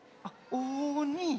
あっおに？